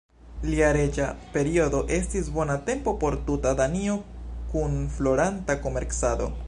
Lia reĝa periodo estis bona tempo por tuta Danio kun floranta komercado.